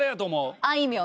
あいみょん。